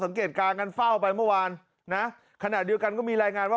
ออกไปเมื่อวานนะขณะเดียวกันก็มีรายงานว่า